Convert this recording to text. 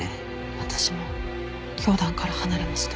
私も教団から離れました。